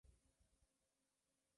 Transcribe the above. Fuente: Allmusic